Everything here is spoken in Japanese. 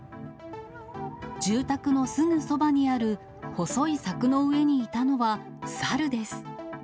住宅のすぐそばにある細い柵の上にいたのは、サルです。